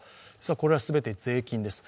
これは全て税金です。